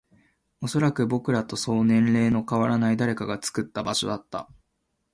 おそらく、僕らとそう年齢の変わらない誰かが作った場所だった